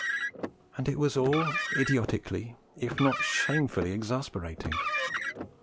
And it was all idiotically, if not shamefully, exasperating!